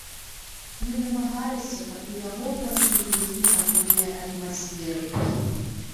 Мы намагаліся, каб у яго ўвайшлі песні з агульнай атмасферай.